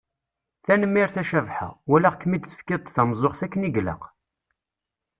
Tanemmirt a Cabḥa, walaɣ-kem-id tefkiḍ-d tameẓẓuɣt akken i ilaq.